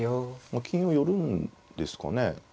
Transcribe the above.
まあ金を寄るんですかね。